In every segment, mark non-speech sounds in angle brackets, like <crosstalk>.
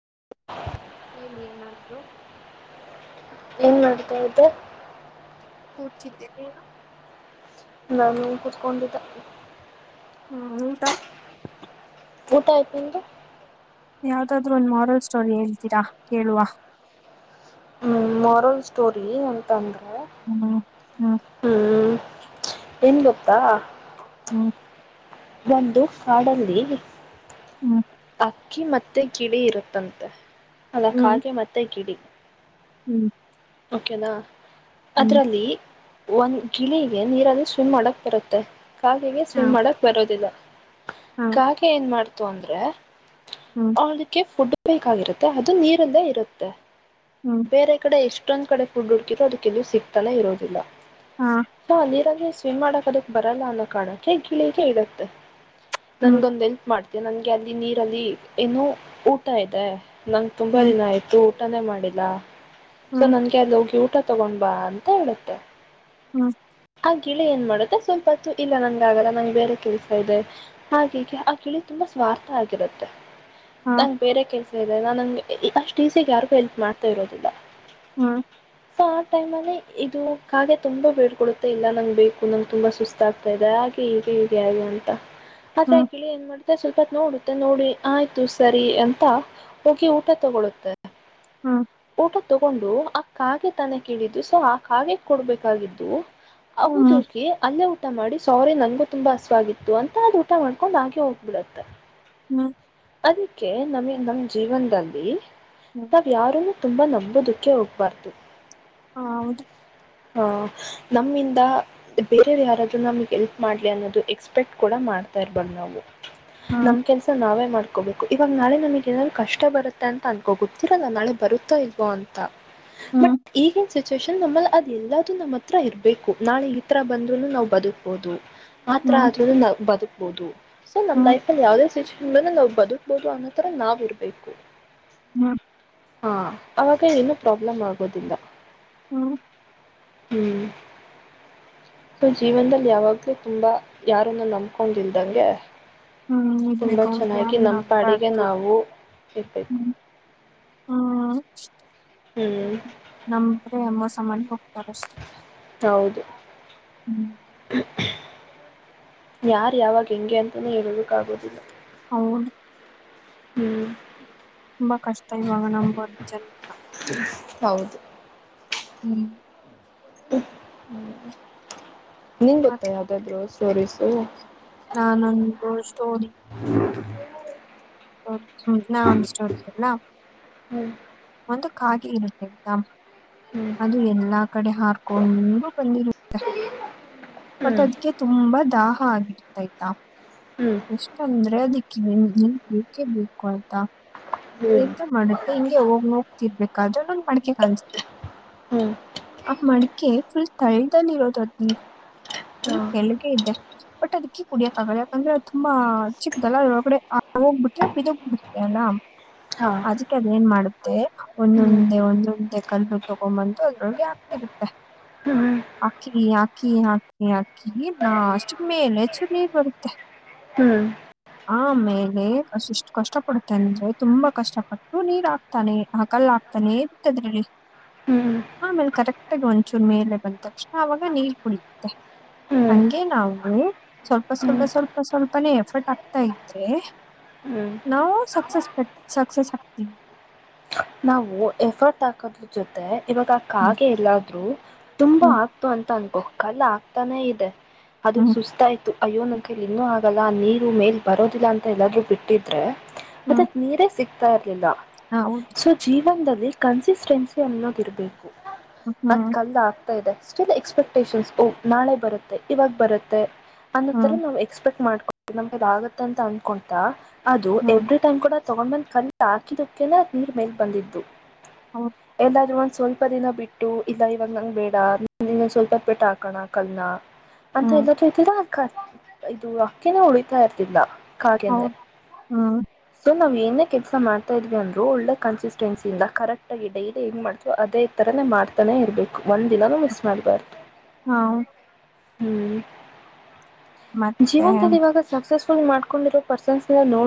ಹ್ಮ್ಮ್. ಹೇಳಿ ಏನಾದ್ರೂ. ಏನ್ ಮಾಡ್ತ ಇದು. ಕೂತಿದ್ದೆ ನೀನು. ನ ನೀ ಕುತ್ಕೊಂಡು ಇದ್ದೆ. ಹ್ಮ ಊಟ. ಊಟ ಆಯ್ತು ನಿಂದು. ಯಾವವು್ದಾದ್ರು ಒಂದು ಮಾರಲ್ ಸ್ಟೋರಿ ಹೇಳ್ತೀರಾ ಕೇಳುವ. ಹ್ಮ್ ಮಾರಲ್ ಸ್ಟೋರಿ ಎಂತ ಅಂದ್ರರು. ಹ್ಮ. ಹ್ಮ್ ಏನ್ ಗೊತ್ತಾ. ಹ್ಮ್ ಒಂದು ಕಾಡಲ್ಲಿ. ಹ್ಮ್. ಅಕ್ಕಿ ಮತ್ತೆ ಗಿಳಿ ಇರುತ್ತಂತೆ. ಅಲ್ಲ ಹ್ಮ್ ಹ್ಮ್ ಕಾಗೆ ಮತ್ತೆ ಗಿಳಿ. ಹ್ಮ್ ಓಕೆದಾ ಹ್ಮ್ ಅದ್ರಲ್ಲಿ ಒಂದ್ ಗಿಳಿಗೆ ನೀರಲ್ಲಿ ಸ್ವಿಮ್ ಮಾಡಕ್ ಬರುತ್ತೆ ಕಾಗಿಗೆ ಹಾ ಸ್ವಿಮ್ ಮಾಡಕ್ ಬರೋದಿಲ್ಲ ಹಾ ಕಾಗೆ ಏನ್ ಮಾಡ್ತ ತೊಂದ್ರೆ ಹ್ಮ್ ಆದಕ್ಕೆ ಫುಡ್ ಬೇಕಾಗಿರುತ್ತೆ ಅದು ನೀರಿಲ್ಲೇ ಇರುತ್ತೆ ಹ್ಮ್ ಬೇರೆ ಕಡೆ ಎಷ್ಟು ಇಷ್ಟೊಂದ್ ಕಡೆ ಫುಡ್ ಹುಡುಕಿದ್ರ ಅದಕ್ಕೆಲ್ಲವ ಸಿಗ್ತಾನ ಇರೋದಿಲ್ಲ ಹಾ ನೀರಲ್ಲಿ ಸ್ವಿಮ್ ಮಾಡಕ್ ಅದಕ್ ಬರಲ್ಲ ಅನ್ನೋ ಕಾರಣಕ್ಕೆ ಗಿಳಿಗೆ ಇಡತ್ತೆ ಹ್ಮ್ ನನ್ಗೊಂದ ಎಲ್ಪ್ ಮಾಡ್ತನಿ ನನ್ಗೆ ಅಲ್ಲಿ ನೀರಲ್ಲಿ ಏನ್ನು ಊಟ ಇದೆ ನಂಗೆ ತುಂಬಾ ಹ್ಮ್ ದಿನ ಆಯ್ತು ಊಟಾನೇ ಮಾಡಿ ಲ ಸೊ ಹ್ಮ್ ನನ್ಗೆ ಅಲ್ಲಿ ಹೋಗಿ ಊಟ ತಗೊಂಡ್ ಬಾ ಅಂತ ಹೇಳುತ್ತೆ ಹ್ಮ್ ಆ ಗಿಳಿ ಏನ್ ಮಾಡುತ್ತೆ ಸ್ವಲ್ಪತ್ತು ಇಲ್ಲ ನನ್ಗ ಆಗಲ್ಲ ನಂಗೆ ಬೇರೆ ಕೆಲ್ಸ ಇದೆ ಹಾಗೀಗೆ ಆ ಗಿಳಿ ತುಂಬಾ ಸ್ವಾರ್ಥ ಆಗಿರುತ್ತೆ ಹಾ ತಂಗ್ ಬೇರೆ ಕೆಲ್ಸ ನಾಂಗೆ ಅಷ್ಟು ಈಸಿಗೆ ಯಾರಿಗೂ ಹೆಲ್ಪ್ ಮಾಡ್ತಾ ಇರೋದಿಲ್ಲ ಹ್ಮ ಸೊ ಆ ಟೈಮ್ ಅಲ್ಲಿ ಇದು ಕಾಗೆ ತುಂಬಾ ಬೇಡ್ ಕೊಡುತ್ತೆ ಮ ಇಲ್ಲ ನಂಗ್ ಬೇಕು ನಂಗೆ ತುಂಬಾ ಸುಸ್ತ ಆಗ್ತಾ ಇದೆ ಹಾಗೆ ಹೀಗೆ ಹೀಗೆ ಹಾಗೆ ಅಂತ ಆದರೆ ಆ ಹ್ಮ್ ಗಿಳಿ ಮಾಡತ ಸ್ವಲ್ಪ ಒತ್ತು ನೋಡುತ್ತೆ ನೋಡಿ ಆಯ್ತು ಸರಿ ಅಂತ ಹೋಗಿ ಊಟ ತಗೊಳ್ಳುತ್ತುತ್ತದೆ ಹ್ಮ್ ಊಟ ತಗೊಂಡು ಅ ಕಾಗೆ ತನ ಕೇಳಿದ್ದು ಸೊ ಆ ಕಾಗೆ ಕೊಡ್ಬೇಕಾಗಿದ್ದು ಹ್ಮ್ ಹೌದಕಿ ಅಲ್ಲೇ ಊಟ ಮಾಡಿ ಸೌರಿ ನನ್ಗೂ ತುಂಬಾ ಹಸಾಗಿತ್ತು ಅಂತ ಅದು ಊಟ ಮಾಡ್ಕೊಂಡ್ ಹಾಗೆ ಹೋಗ್ಬಿಡತ್ತೆ ಹ್ಮ ಅದಕ್ಕೆ ನಮ ನಮ ಜೀವನದಲ್ಲಿ ಹ್ಮ್ ನಾವ್ ಯಾರನು ತುಂಬಾ ನಮ್ಮ ಓದಕ್ಕೆ ಹೋಗಬಾರದ್ದು ಹಾ ಹೌದು ಹ ನಮ್ಮಿಂದ ಬೇರೆಯವ್ ಯಾರಾದರು ನಮ್ಗ್ ಎಲ್ಪ್ ಮಾಡ್ಲಿ ಅನ್ನೋದು ಎಕ್ಸ್ಪೆಕ್ಟ್ ಕೂಡ ಮಾಡ್ತಾ ಇರ್ಬಾರದ್ ನಾವು ಹ್ಮ್ ನಮ್ ಕೆಲ್ಸ ನಾವೇ ಮಾಡ್ ಅಕೋಬೇಕು ಇವಾಗ ನಾಳೆ ನಮಗ್ ಏನಾದ್ ಕಷ್ಟ ಬರುತ್ತೆ ಅಂತ ಅನ್ಕೋ ಗೊತ್ತಿರಲ್ಲ ನಾಳೆ ಬರುತ್ತಾ ಇಲ್ವೋ ಅಂತ ಬಟ್ ಹ್ಮ್ ಈಗ ಸಿಚುುವೇೇಶನ್ ನಮ್ಮಲ್ಲಿ ಅದ ಎಲ್ಲದುು ನಮ್ಮ ಹತ್ರ ಇರ್ಬೇಕು ನಾಳ ಈ ತರ ಬಂದ್ರು ನಾವವು ಬದುಕ್ಬೋದು ಮಾತ್ರ ಹ್ಮ್ ಆಗ್ದ ಬದುಕು ಓದು ಸ ನಮ್ಮ ಹ್ಮ್ ಲೈಫ ಅ ಯಾವದೇ ಸಚ್ ನಾನಂನೊಬ್ ಬದುಕ್ಬೋದು ಅನ್ನೋ ತರ ನಾವ್ ಇರ್ಬೇಕು ಹ್ಮ್ ಹಾ ಅವಾಗ ಏನು ಪ್ರಾಬ್ಲಮ್ ಆಗೋದಿಲ್ಲ ಹಾ ಹ್ಮ್ ಸೊ ಜೀವನದಲ್ಲಿ ಯಾವಾಗ್ಲೂ ತುಂಬಾ ಯಾರನ್ನ ನಂಬಕೊಂಡಲ್ದಂಗೆ ಹ್ಮ್ ಇರ್ಬೇಕ್ ಹೌದು ಯಾರ್ ನಮ್ಮ ಪಡಿಗೆ ನವು ಇರ್ಬೇಕು ಹ್ಮ್ ಹ್ಮ್ ನಂದ್ರೆ ಮೋಸ ಮಾಡಿ ಹೋಗ್ತಾರಷ್ಟೆ ಹೌದು ಹ್ಮ್ ಯಾರ್ ಯಾವಾಗ ಹೆಂಗೆ ಅಂತಾನೇ ಹೇಳೊದುಕ್ಕೆ ಆಗೋದಿಲ್ಲ ಹೌದು ಹ್ಮ್ ತುಂಬಾ ಕಷ್ಟ ಈವಾಗ ನೋಂಬೋದು ಜನನ ಹೌದು ಹ್ಮ್ ನಿಂಗ್ ಮತ್ ಗೊತ್ತಾ ಯಾವ್ದಾದ್ರು ಸ್ಟೋರೀಸು ನಾನೊಂದು ತೋರಿ ಹ್ಮ್ ನನ್ ಒಂದ್ ಸ್ಟೋರಿ ಹೇಳಲಾ ಹ್ಞೂ ಒಂದ್ ಕಾಗೆ ಇರುತ್ತೆ ಆಯ್ತಾ ಹ್ಞೂ ಅದು ಎಲ್ಲಾ ಕಡೆ ಹಾರ್ಕೊಂಡು ಬಂದಿರುತ್ತೆ ಬಟ್ ಹ್ಞೂ ಅದಕ್ಕೆ ತುಂಬಾ ದಾ ಆಗಿತ್ ಆಯ್ತಾ ಹ್ಞೂ ಎಷ್ಟ ಅಂದ್ರೆ ಅದಿಕ್ಕೆ ನೀರ್ ಬೇಕೇ ಬೇಕು ಆಯ್ತಾ ಹ್ಞೂ ಎಂತ ಮಾಡುತ್ತೆ ಹಿಂಗೆ ಹೋಗಿ ನೋಡ್ತಿರಬೇಕು ಕಜ ಮಾಡಿಕೆ ಕಾಣಿಸತೆ ಹ್ಞೂ ಅ ಮಡಿಕೆ ಮಡಿಕೆ ಫುಲ್ ತಳ್ದಲ್ಲಿ ಇರೋದು ಫುಲ್ ಹಾಂ ಕೆಳಗೆ ಇದೆ ಬಟ್ ಅದ್ಕ್ಕಿ ಕುಡಿಯಕ್ಕೆ ಆಗಲ್ಲ ಯಾಕಂದ್ರೆ ಅದು ತುಂಬಾ ಚಿಕ್ದಲ್ಲ ಅದ್ರೊಳಗಡೆ ಹೋಗ್ಬ ಬಿಟ್ರೆ ಬಿದೋಗಿ ಬಿಡ್ತೀಯಲ್ಲ ಹಾಂ ಅದಿಕ್ಕೆ ಅದ ಏನ್ ಮಾಡ ಹ್ಞೂ ಒಂದೊಂದೆ ಒಂದೊಂದೆ ಕಲ್ಲು ತಗೊಂಬಂತು ಅದ್ರೊಗೆ ಹಾಕಿರುತ್ತೆ ಹಾಕಿ ಹಾಕಿ ಹಾಕಿ ಹಾಕಿ ನಾ ಅಷ್ಟ ಮೇಲೆ ಚೂರು ನೀರ್ ಬರುತ್ತೆ ಹ್ಞೂ ಹ್ಞೂ ಆಮೇಲೆ ಅಷ್ಟಷ್ಟು ಕಷ್ಟ ಪಡುತ್ತೆ ಅಂದ್ರೆ ತುಂಬಾ ಕಷ್ಟಪಟ್ಟು ನೀರ್ ಹಾಕ್ತಾನೆ ಆ ಕಲ್ಲ ಹಾಕ್ತಾನೆ ಅದ್ರಲ್ಲಿ ಹ್ಞೂ ಆಮೇಲೆ ಕರೆಕ್ಟಗ ಒಂದಚೂರು ಮೇಲೆ ಬಂದ ತಕ್ಷಣ ಅವಾಗ ನೀರ್ ಕಕುಡಿಯುತ್ತೇ ಹ್ಞೂ ಹಂಗೆ ನಾವು ಸ್ವಲ್ಪ ಹ್ಞೂ ಹ್ಞೂ ಸ್ವಲ್ಪ ಸ್ವಲ್ಪ ಸ್ವಲ್ಪನೇ ಎಫರ್ಟ್ ಆಗ್ತಾ ಇದ್ರೆ ಹ್ಞೂ ನಾವು ಸಕ್ಸಸ್ ಸಕ್ಸಸ್ ಆಗ್ತೀವಿ ನಾವು ಎಫರ್ಟ್ ಹಾಕೋದ್ರ ಜೊತೆ ಇವಾಗ ಹ್ಮ್ ಕಾಗೆ ಎಲ್ಲಾದ್ರೂ ತುಂಬಾ ಹ್ಮ್ ಆಗ್ತು ಅಂತ ಅನ್ಕೋ ಕಲ್ಲು ಆಗ್ತಾನೆ ಇದೆ ಅದು ಹ್ಮ್ ಸುಸ್ತಾಯ್ತು ಅಯ್ಯೋ ನನ್ ಕೈಯಲ್ಲಿ ಏನು ಆಗಲ್ಲ ನೀರು ಮೇಲ್ ಬರೋದಿಲ್ಲ ಅಂತ ಎಲ್ಲಾದರೂ ಬಿಟ್ಟಿದ್ರೆ ಹ್ಮ್ ಅದಿಕ್ಕೆ ನೀರೇ ಸಿಕ್ ತ್ತ ಇರಲಿಲ್ಲ ಹೌದು ಸೊ ಜೀವನದಲ್ಲಿ ಕನ್ಸಿಸ್ಟೆನ್ಸಿ ಅನ್ನೋದ ಇರಬೇಕು ಅದು ಹ್ಮ್ ಕಲ್ಲು ಇದೆ ಸ್ಟಿಲ್ ಎಕ್ಸ್ಪೆಕ್ಟೇಷನ್ಸ್ ಓಹ್ ನಾಳೆ ಬರುತ್ತೆ ಇವಾಗ ಬರುತ್ತೆ ಅನ್ನೋ ತರ ಹ್ಮ್ ನಾವು ಎಕ್ಸ್ಪೆಕ್ಟ್ ಮಾಡ್ ನಮ್ಮ ಕೈಯಲ್ಲಿ ಆಗತ್ತ ಅಂತ ಅನ್ಕೊಂತಾ ಅದು ಹ್ಮ್ ಎವ್ರಿ ಟೈಮ್ ಕೂಡ ತೊಗೊಂಡು ಬಂದು ಕಲ್ಲು ಹಾಕಿದಿಕೆನೆ ನೀರ್ ಮೇಲೆ ಬಂದಿದ್ದು ಹೌದ್ ಎಲ್ಲಾದ್ರೂ ಒಂದು ಸ್ವಲ್ಪ ದಿನ ಬಿಟ್ಟು ಇಲ್ಲ ಇವಾಗ ನಂಗ ಬೇಡ ಸ್ವಲ್ಪ ಹೊತ್ತು ಬಿಟ್ಟು ಹಾಕೋಣ ಕಲ್ಲ ಅಂತ ಹ್ಮ್ ಎಲ್ಲಾದ್ರು ಇದು ಹಕ್ಕಿನು ಉಳಿತಾ ಇರ್ತಿಲ್ಲ ಕಾಗೆನೇ ಹೌದು ಹ್ಮ್ ನಾವು ಏನೇ ಕೆಲಸ ಮಾಡ್ತಾ ಇದ್ವಿ ಅಂದ ದು ಒಳ್ಳೆ ಕನ್ಸಿಸ್ಟೆನ್ಸಿಯಯಿಂದ ಕರೆಕ್ಟಾಗಿ ಡೈಲಿ ಹೆಂಗಂ ಮಾಡ್ತೋ ಅದೇ ಥರ ಮಾಡ್ತಾನೇ ಇರಬೇಕು ಒಂದ ದಿನೂ ಮಿಸ್ ಮಾಡಬಾರ್ದು ಹ್ಮ ಹ್ಮ್ ಮತ್ತೆ ಜೀವನದಲ್ಲಿ ಇವಾಗ ಸಕ್ಸಸ್ ೊ ಮಾಡ್ಕೊಂಡಿರೋ ಪರ್ಸನ್ಸ್ ಎಲ್ಲ ನೋ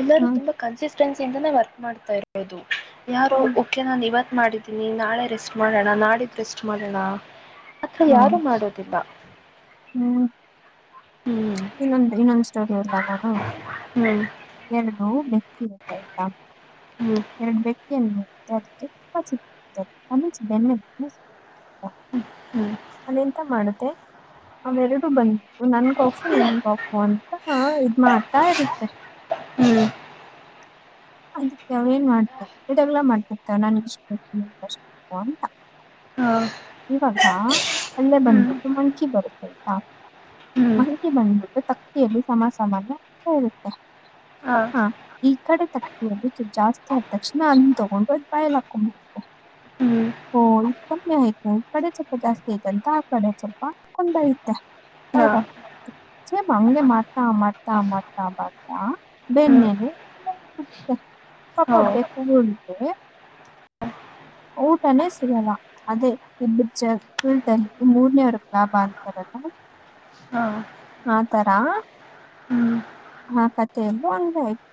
ಎಲ್ಲರೂ ಹ್ಮ್ ತುಂಬಾ ಕನ್ಸಿಸ ಸ್ ಇಿಂದೇವರ್ ಮಾಡ್ತಾ ಇರೋದು ಯಾರು ಹೌದ್ ಓಕೆ ನನ್ು ಇವತ್ತು ಮಾಡಿದ್ದೀನಿ ನಾಳೆ ರೆಸ್ಟ್ ಮಾಡೋಣ ನಾಡಿದ್ದು ರೆಸ್ಟ್ ಮಾಡೋಣ ಅಥ ಯಾರು ಹ್ಮ್ ಮಾಡೋದಿಲ್ಲ ಹ್ಮ್ ಹ್ಮ್ ಇನ್ನೊಂದ ಇನ್ನೊಂದ್ ಸ ಇಲ್ಲ ನಾನು ಹ್ಮ್ ಏನ ಮೆಕ್ಕಿಾಯ್ತಾ ಹ್ಮ್ ಎರಡು ಬೆೇಕ ಎನು ಬೆ ಹ್ಮ್ ಅದ ಎಂತ ಮಾಡುತ್ತೆ ಆಮೆಲೆಡುೂ ಬಂದ ನನ್ಕೋ ನ್ ಬಪ್ಪ ಅಂತ ಹ ಇದ್ ಮಾಡ್ತಾ ಇರುತ್ತೆ ಹ್ಮ್ ಅದಕ್ಕೆ ಅವ್ ಏನ್ ಮಾಡ್ತವ ಇದಾಗಲ್ಲಾ ಮಾಡ್ತಿರ್ತಾವ ನನ್ಗೆಷ್ಟಷ್ಟು ಅಂತ ಹಾ ಇವಾಗ ಅಲ್ಲೇ ಹ್ಮ್ ಬಂದ್ಬಿಟ್ಟು ಮಂಕಿ ಬರುತ್ತಯ್ತಾ ಹ್ಮ್ ಮಂಕಿ ಬಂದ್ಬಿಟ್ಟು ತಕ್ಕಿಯೆಯಲ್ಲಿ ಸಮಸಮಾನ ಆಗ್ತಾ ಇರುತ್ತೆ ಹಾ ಕಡೆ ತಕ್ತದು ಜಾಸ್ತಿ ಆದ ತಕ್ಷಣ ಅದ ತಗೊಂಡು ಅದ್ ಬಯಲ್ ಹಾಕೊಂಡ್ಬೋಗೆ ಹ್ಮ್ ಓ ಇದು ಕಮ್ಮಿ ಆಯ್ತು ಕಡೆ ಸ್ವಲ್ಪ ಜಾಸ್ತಿ ಐತೆಂತ ಆ ಕಡೆ ಸ್ವಲ್ಪ ಕಂಬಯತೆೆ ಹಾ ವಕ ೇ ಹಂಗಗೆ ಮಾಡ್ತಾ ಮಾಡ್ತಾ ಮಾಡ್ತಾ ಮಾಡ್ತಾ ಹ್ಮ್ ಬೆನ್ನೆನೆ ಪಾಪ ಹೋ ಅಭ್ಯಾಸ ಹೇಳಿ ಊಟನೇ ಸಿರಲ ಅದೇ ಇಬ್ಬ ಜದಲ್ಲಿ ಮೂರನೇವರ್ ಲಾಭ ಆತಾರಲ್ಲ ಹಾ ಆ ತರ ಹ್ಮ್ ಆ ಕಥೆಯಲ್ಲೂ ಅಂಗ ಆಯ್ತು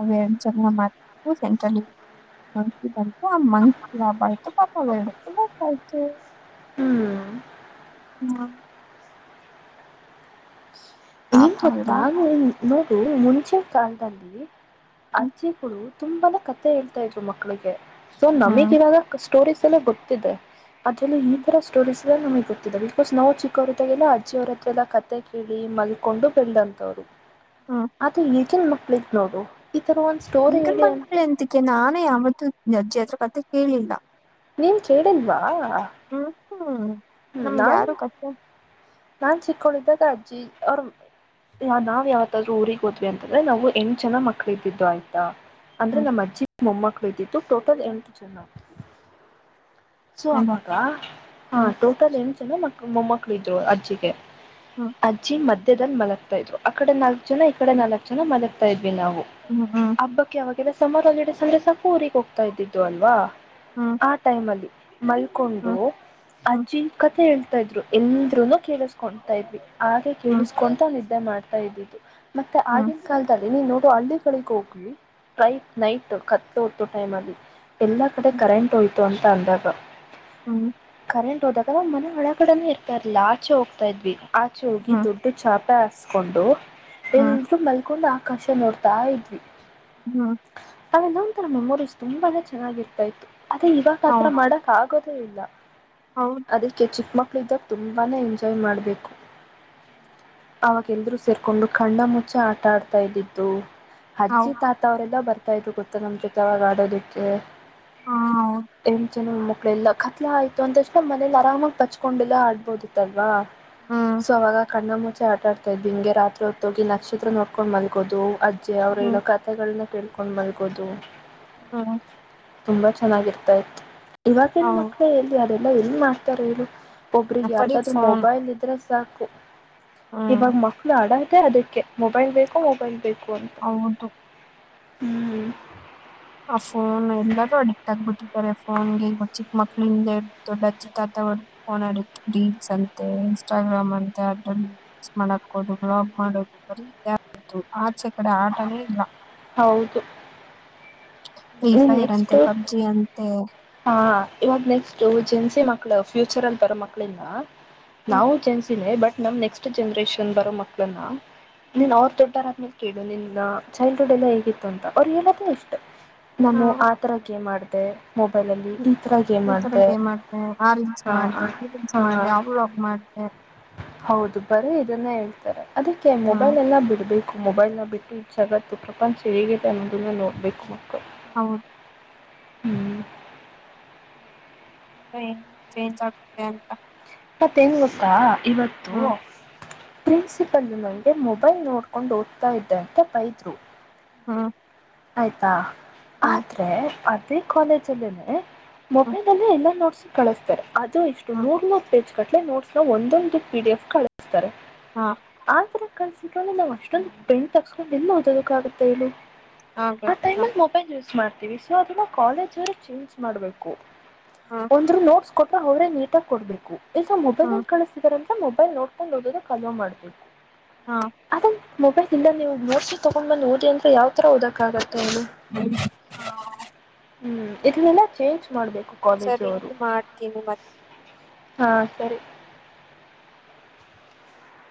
ಅವ ಎರಡು ಜ ಮು ಸೆಂಟ್ರಲ್ಲಿ ಮಂಕಿ ಬಂತು ಆ ಮಂಂಗಿ ಗ ಲಾಭ ಆಯತು ಪಾಪ ಎರಡಕ್ಕೂ ಆಯ್ತು ಹ್ಮ್ ಹ ಹಮ್ಮ ಏನ್ ಪಾಪ ಗೊತ್ತಾ ಅಲ್ವಾ ನೋವು ಮುಂಚೆ ಕಾಲದಲ್ಲಿ ಹ್ಮ್ ಆಚಿ ಕೊು ತುಂಬಾನೇ ಕತೆೆ ಹೇಳ್ತಾ ಇದ್ರು ಮಕ್ಕಳಿಗೆ ಸೊ ನಮಿ ಹ್ಮ್ ಕೆಾಗ ಸ್ಟೋರೀಸ್ ಎಲ್ಲ ಗೊತ್ತಿದೆ ಅದರಲ್ಲಿ ಈ ತರ ಸ್ಟೋರೀಸ್ ಎಲ್ಲ ನಮಗೆ ಗೊತ್ತಿದೆ ಬಿಕಾಸ್ ನಾವು ಚಿಕ್ಕವ್ರ ಹತೆಾಗೆಲ್ಲ ಅಜ್ಜಿ ಅವರ ಹತ್ರ ಎಲ್ಲ ಕತೆ ಕೇಳಿ ಮ ಕೊಂಡು ತಿಂದಂತವರಿ. ಹ್ಮ್ <unintelligible> ಪ್ಲೀಸ್ ನೋಡು. ತರ ಒಂದ್ ಸ್ಟೋರಿ ಈಗನ್ ಹೇಳಿ ಅಂತ ಮಂಕ್ಳ ಅಂತಿಕ ನಾನೇ ಯಾವತ್ ಅಜ್ಜಿ ಹತ್ರಾ ಕಥೆ ಕೇಳಿಲ್ಲಾ. ನೀವ ಕೇಳಿಲ್ವಾ. ಹಾ. ಹ್ಮ. ನಮ್ಗೆ ಯಾರು ಕಥೆ. ನಾನ್ ಚಿಕ್ಕೊಳ್ಳ ಇದ್ದಾಗ ಅಜ್ಜಿ ಅವ್ರ ನಾವ್ ಯಾವತಾದ್ರು ಊರಿಗೆ ಹೋದ್ವಿ ಅಂತಂದ್ರೆ ನಾವು ಎಂತ ಜನ ಮಕ್ಳ ಇದ್ದಿದ್ದು ಆಯ್ತಾ. ಅಂದ್ರೆ ಹ್ಮ್ ನಮ್ಮ ಅಜ್ಜಿ ಮೊಮ್ಮಕ್ಕಳು ಇದ್ದಿದ್ದು ಟೋಟಲ್ ಎಂಟ ಜನ. ಸೊ ಅಲ್ವಾ ಅವಾಗ ಹಾ ಹ್ಮ್ ಟೋಟಲ್ ಎನ್ ಮಕ್ ಮೊಮ್ಮಕ್ಕಳ ಇದ್ರು ಅಜ್ಜಿಗೆ. ಹ್ಮ್ ಅಜ್ಜಿ ಮಧ್ ದಲ್ಲಿ ಮಲಗ್ತಾ ಇದ್ರು ಅ ಕಡೆ ನಾಲ್ಕ್ ಜನ ಈ ಕಡೆ ನಾಲ್ಕ್ ಜನ ಮಲಗ್ತಾ ಇದ್ ವಿ ನಾವು ಹ್ಮ್ ಹ್ಮ್ ಹಬ್ಬಕ್ಕೆ ಅವ ಈಗ ಸಮ್ಮರ್ ಹಾಲಿಡೇಸ್ ಅಂದ್ರೆ ಅದು ಸ್ವಂತ ಊರಿಗೆ ಹೋಗ್ತಾ ಇದ್ದಿದ್ದು ಅಲ್ವಾ. ಹ್ಮ್ ಆ ಟೈಮ್ ಅಲ್ಲಿ. ಮಲ್ಕೊಂಡು ಹ್ಮ್ ಹ್ಮ್ ಅಜ್ಜಿ ಕಥೆ ಹೇಳ್ತ ತಾ ಇದ್ರು ಏನ್ದ್ರಿಂದ ಕೇಳಿಸಕೊತಾ ಇದ್ವಿ. ಹಾಗೆ ಹ್ಮ್ ಕೇಳಿಸಕೊಂತ ನಿದ ದ್ದೆ ಮಾಡ್ತಾ ಇದ್ದಿದ್ದು. ಮತ್ತೆ ಹ್ಮ್ ಆಗಿನ ಕಾಲದಲ್ಲಿ ನೀನು. ಹಳ್ಳಿ ಕಡೆಗೆ ಹೋಗ್ವಿ ರೈ ನೈಟ್ ಕತ್ತ ಹತೋ ಟೈಮ್ ಅಲ್ಲಿ. ಎಲ್ಲಾ ಕಡೆ ಕರೆಂಟ್ ಹೋಯ್ ತು ತಂದಾಗ. ಹ್ಮ್. ಕರೆಂಟ್ ಹೋದಾಗ ಮನೆ ಒಳಗಡೆನೆೇ ಇರ್ತಾ ಇಲಿಲ್ಲ ಆಚೆ ಹೋಗ್ತಾ ಇದ್ವಿ. ಆಚೋಹೋಗಿ ಹ್ಮ್ ದೊಡ್ಡ ಛಾಪೆ ಹಾಸ್ ಸ ಕೊಂಡು. ಹ್ಮ್ ಎಲ್ರೂ ಮಲ್ಕೊಂಡ ಆ ಕಾಶಾ ನೋಡ್ತಾ ಇದ್ವಿ. ಹ್ಮ್ ಆಲ್ಲ ಒಂಥರ ಮೆಮೊರೀ ತುಂಬಾನೇ ಚೆನ್ನಾಗಿ ಇರ್ತಾ ಇತ್ತು. ಅದೇ ಇವಾಗ ಆ ಹೌದು ತರಾ ಮಾಡಕ್ ಆಗೋದೇ ಇಲ್ಲ ಹೌದು ಅದಕ್ಕೆ ಚಿಕ್ಕಮಕ್ಕ ಳಾಗ ತುಂಬಾನೇ ಎಂಜಾಯ್ ಮಾಡ್ಬೇಕು ಅವಾಗ ಎಲ್ರೂ ಸೇರ್ಕೊಂಡು ಕಣ್ಣ ಮುಚ್ಚೆ ಆಟ ಆಡ್ತಾ ಇದ್ದಿದ್ದು ಅಜ್ಜಿ ಹೌದು ತಾತ ಅವರೆಲ್ಲ ಬರ್ತಾರೆ ದು ಗೊತ್ತ ನಮ್ ಜೊತೆ ಅವಾಗ ಆಡೋದಕ್ಕೆ ಹಾ ಹೌದು ಹ ಜನ ಅಳೆಲ್ಲ ಕತ್ಲ ಆಯ್ತು ಅಂತಷ್ಟ ನಮ್ಮ ಮನೇಲಿ ಆರಾಮಾಗಿ ಪಚ್ಕೊಂಡೆಲ್ಲ ಆಡ್ಬೋದಿತ್ತಲ್ವ ಹ್ಮ್ ಸೊ ಅವಾಗ ಕಣ್ಣ ಮುಟ್ಟ ಆಟ ಆಡ್ತಾ ಇದ್ವಿಗೆಾತ್ರಿ ಹೊತ್ತೋಗಿ ನಕ್ಷತ್ರ ನೋಡ್ಕೊಂಡು ಮಲ್ಗೋದು ಅ ಅವರು ಹ್ಮ್ ಹೇಳೋ ಕತೆೆಗಳನ್ನ ತಿಳ್ಕೊಂಡು ಮಲ್ಗೋದು ಹ್ಮ ತುಂಬಾ ಚೆನ್ನಾಗಿರ್ತಾ ಇತ್ತು ಇವಾಗನ್ ಹೌದು ಮಕ್ಳು ಎಲ್ಲಿ ಯಾರ ಎಲ್ಲ ಎಲ್ಲಿ ಮಾಡ್ತಾರೆನು ಒಬ್ರ ಬರೀ ಯಾರ್ದ್ರೂ ಫೋನ್ ಮೊಬೈಲ್ ಇದ್ರ ಚಾಕು ಹ್ಮ್ ಇವಾಗ ಮಕ್ಕಳು ಅಡ ಅದಕ್ಕೆ ಮೊಬೈಲ್ ಬೇಕು ಮೊಬೈಲ್ ಬೇಕು ಅಂತ ಹೌದುು ಹ್ಮ್ ಆ ಫೋನ್ ಎಲ್ಲರೂ ಅಡಿಕ್ಟ್ ಆಗ್ಬಿಟ್ಟಿದ್ದಾರೆ ಫೋನ್ಗೆ ಈಗ ಚಿಕ್ಕ ಮಕ್ಳಿಂದ ದೊಡ್ಡ ಅಚ್ಚಿ ತಾತ ಫೋನ್ ಅಡಿಕ್ಟ್ ರೀಲ್ಸ್ ಅಂತೆ ಇನ್ಸ್ಟಾಗ್ರಾಮ್ ಅಂತೆ ಅದ್ರಲ್ಲಿಸ್ ಮಾಡಕೋದು ವ್ಲಾಗ್ ಮಾಡೋದು ಬರೀ ಅಡೆ ಆಟನ ಇಲ್ಲ ಹೌದು ಫ್ರೀ ನೀನ್ ಫೈರ್ ನೆಕ್ಸ್ಟ್ ಅಂತೆ ಪಬ್ಜಿ ಅಂತೆ ಹಾ ಇವಾಗ ನೆಕ್ಸ್ಟ್ ಜೆನ್ಸಿ ಮಕ್ಳ ಫ್ಯೂಚರ್ ಅಂತರ ಮಕ್ಕಳಿಂದ ನಾವು ಚೆನ್ಸಿದವೆ ಬಟ್ ನಮ್ಮ ನೆಕ್ಸ್ಟ್ ಜನ್ರೇಷನ್ ಬರೋ ಮಕ್ಳನ್ನ ನೀನ್ ಅವ್ರ ದೊಡ್ಡರ್ಮ ಕೇಳಡು ನಿನ್ನ ಚೈಲ್ಡ್ಡ್ ಎಲ್ಲ ಹೇಗಿತ್ತು ಅಂತ ಅವ್ರು ಹೇಳೋದ್ ಇಷ್ಟ ನಾನ ಆ ತರಕ್ಕೆ ಮಾಡ್ ಮತ್ತು ಈ ತರಕ್ಕೆ ಏ ಮಾಡ್ತೆ ಆ ರೀಂಸ್ ಹಾ ಮಾಡ್ದ ಈ ರೀನ್ಸ್ ಹಾ ಮಾಡ್ದ ಅವಲಾಗ ಮಾಡ್್ದ ಹೌದು ಬರೀ ಇದನ್ನೇ ಹೇಳ್ತಾರೆ ಅದಕ್ಕೆ ಹ್ಮ್ ಮೊಬೈಲ್ ಎಲ್ಲ ಬಿಡ್ಬೇಕು ಮೊಬೈಲ್ನ ಬಿಟ್ಟು ಜಗತ್ತು ಪ್ರಪಂಚ ಹೇಗಿದೆ ಅನ್ನೋದನ್ನ ನೋಡಬೇಕು ಮಕ್ಕಳು ಹೌದ ಹ್ಮ್ <unintelligible> <inaudible> ಮತ್ತೆ ಏನ್ ಗೊತ್ತಾ ಇವತ್ತು ಹ್ಮ್ ಪ್ರಿನ್ಸಿಪಲ್ ನಂಗೆ ಮೊಬೈಲ್ ನೋಡ್ಕೊಂಡು ಓದ್ತಾ ಇದ್ದ ಅಂತ ಬೈದ್ರು ಹಾ ಆಯ್ತಾ ಆದ್ರೆ ಅ ಕಾಲಜಲ್ಲನೆ ಹ್ಮ್ ಮೊಬೈಲ್ ಅಲ್ಲ ಎಲ್ಲ ನೋಡಸ್ ಕಳಸ್ತಾರೆ ಇದು ಇಷ್ಟು ನೋಡ್ ಹ್ಮ್ ನೂರ್ ಮೂವತ್ತ್ ಪೇಜ್ ಕಟ್ಲೆ ನೋಟ್ಸ್ ನ ಒಂದೊಂದು ಪಿಡಿಎಫ್ ಹಾ ಆದ್ರ ಕನ್ಸಟ್ಕೊಂಡ್ರೆ ನಾವ್ ಅಷ್ಟೊಂದು ಪ್ರಿಂಟ್ ತಕ್ಸ್ಕೊಂಡು ಇಲ್ಲ ಓದೋದಕ್ಕ ಆಗುತ್ತೆ ಹೇಳಿ ಆ ಟೈಮ್ ಆಗದಿಲ್ಲ ಅಲ್ಲಿ ಮೊಬೈಲ್ ಯೂಸ್ ಮಾಡ್ತೀವಿ ಸೊ ಅದವಾ ಕಾಲೇಜ್ ಅವರು ಚೇಂಜ್ ಮಾಡ್ಬೇಕು ಹ್ಮ್ ಒಂದರು ನೋಟ್ಸ್ ಕೊಟ್ಟ ಅವರೇ ನೀಟಾಗಿ ಕೊಡ್ಬೇಕು ಈ ಹ್ಮ್ ಮೊಬೈಲಲ್ಲಿ ಕಳಿಸ್ತಿದಿದ್ದಾರೆ ಮೊಬೈಲ್ ನೋಡ್ಕೊಂಡ್ ಓದುವುದಕ್ಕೆ ಹಲೋ ಮಾಡಬೇಕು ಅದೇ ಮೊಬೈಲ್ ಇಂದ ನೀವು ನೋಡ್ಸ ತೊಗೊಂಡ್ಂದ್ ಓದಿ ಅಂದ್ರೆ ಯಾವ ತರ ಆಗುತ್ತೆ ಹೇಳು ಹಾ ಹ್ಮ್ ಇದುನ್ನಲ್ಲ ಚೇಂಜ್ ಮಾಡಬೇಕು ಸರಿ ಕಾಲೇಜವರು ಇದು ಮಾಡ್ತೀನಿ. ಹಾ ಸರಿ